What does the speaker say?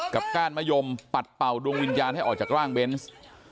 ก้านมะยมปัดเป่าดวงวิญญาณให้ออกจากร่างเบนส์